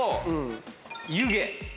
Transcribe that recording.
「湯気」